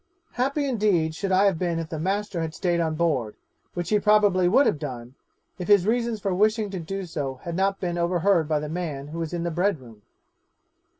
Happy indeed should I have been if the master had stayed on board, which he probably would have done, if his reasons for wishing to do so had not been overheard by the man who was in the bread room.